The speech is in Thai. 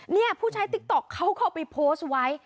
นี่ผู้ใช้ติ๊กต๊อกเขาก็เอาไปโพสต์ไว้